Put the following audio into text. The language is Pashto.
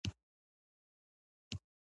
منډه د زړه د حملې خطر کموي